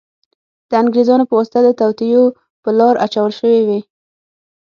د انګریزانو په واسطه د توطیو په لار اچول شوې وې.